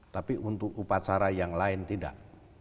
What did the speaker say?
tapi untuk upacara yang lain tidak